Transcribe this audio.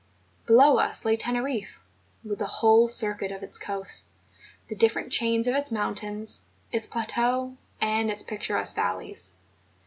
Below us lay Teneriffe, with the whole circuit of its coasts, the different chains of its mountains, its plateaux, and its picturesque valleys.